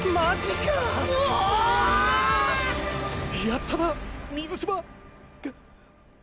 やったな水嶋。